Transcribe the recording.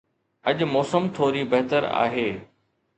اڄ موسم ٿوري بهتر آهي